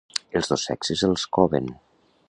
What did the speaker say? Els dos sexes els coven.